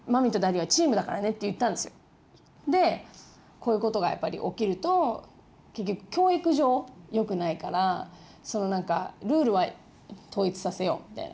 こういうことがやっぱり起きると結局教育上よくないからルールは統一させようみたいな。